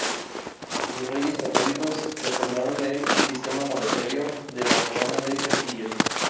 Los Reyes Católicos reformaron el sistema monetario de la Corona de Castilla.